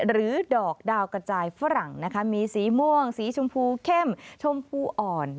ดอกดาวกระจายฝรั่งนะคะมีสีม่วงสีชมพูเข้มชมพูอ่อน